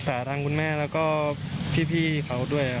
บาชเองเขาจะอาจจะไปส่ายโดยก็ได้กัน